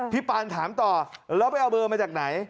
ปานถามต่อแล้วไปเอาเบอร์มาจากไหน